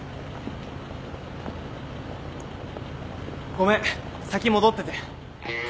ごめん先戻ってて。